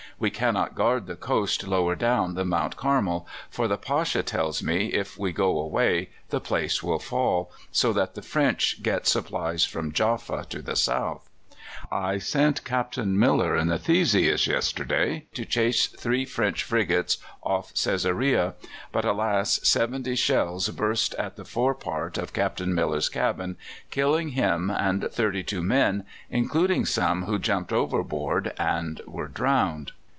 We cannot guard the coast lower down than Mount Carmel, for the Pasha tells me, if we go away, the place will fall, so that the French get supplies from Jaffa to the south. I sent Captain Miller in the Theseus yesterday to chase three French frigates off Cæsarea; but, alas! seventy shells burst at the forepart of Captain Miller's cabin, killing him and thirty two men, including some who jumped overboard and were drowned."